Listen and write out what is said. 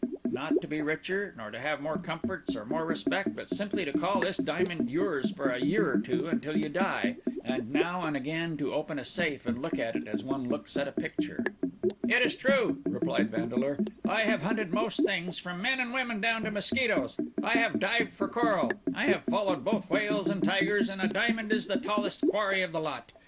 Not to be richer, nor to have more comforts or more respect, but simply to call this diamond yours for a year or two until you die, and now and again to open a safe and look at it as one looks at a picture." "It is true," replied Vandeleur. "I have hunted most things, from men and women down to mosquitos; I have dived for coral; I have followed both whales and tigers; and a diamond is the tallest quarry of the lot.